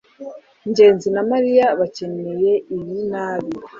ngenzi na mariya bakeneye ibi nabi